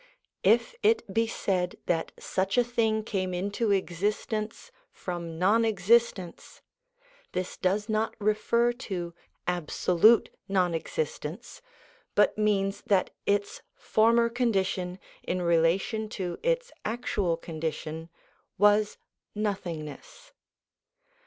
If it be said that such a thing came into existence from non existence, this does not refer to absolute non existence, but means that its former condition in relation to its actual condition was nothingness.